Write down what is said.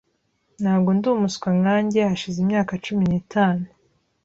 Ntabwo ndi umuswa nkanjye hashize imyaka cumi n'itanu.